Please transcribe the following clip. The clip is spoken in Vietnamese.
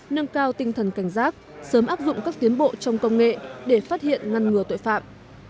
nâng cao tinh thần cảnh giác sớm áp dụng các tiến bộ trong công nghệ để phát hiện ngăn ngừa tội phạm